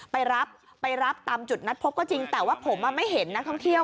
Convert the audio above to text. ไปรับไปรับตามจุดนัดพบก็จริงแต่ว่าผมไม่เห็นนักท่องเที่ยว